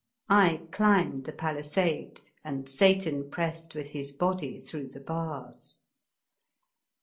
I climbed the palisade and Satan pressed with his body through the bars.